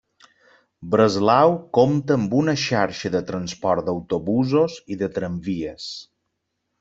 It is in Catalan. Breslau compta amb una xarxa de transport d'autobusos i de tramvies.